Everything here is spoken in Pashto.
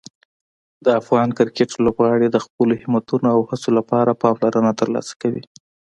د افغان کرکټ لوبغاړي د خپلو همتونو او هڅو لپاره پاملرنه ترلاسه کوي.